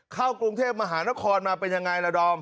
เข้ากรุงเทพมหานครมาเป็นยังไงล่ะดอม